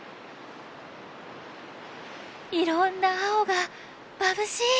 いろんな青がまぶしい！